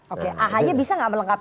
oke ahanya bisa gak melengkapi